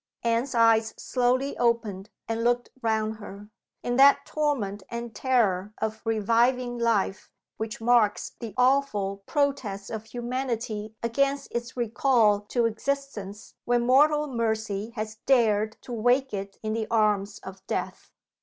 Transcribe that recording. Anne's eyes slowly opened and looked round her in that torment and terror of reviving life which marks the awful protest of humanity against its recall to existence when mortal mercy has dared to wake it in the arms of Death.